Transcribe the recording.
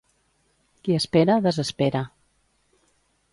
Qui espera, desespera.